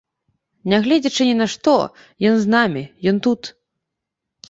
Нягледзячы ні на што ён з намі, ён тут.